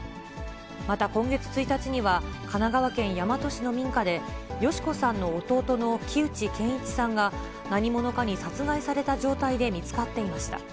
また今月１日には、神奈川県大和市の民家で、良子さんの弟の木内健一さんが何者かに殺害された状態で見つかっていました。